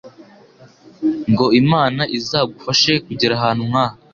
ngo Imana izagufashe kugera ahantu nkaha